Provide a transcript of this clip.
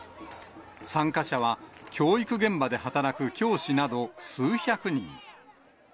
参加者は、教育現場で働く教師など数百人。